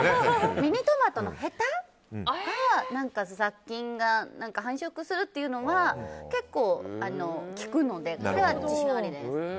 ミニトマトのへたが殺菌が繁殖するっていうのが結構、聞くのでこれは自信ありです。